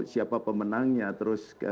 siapa pemenangnya terus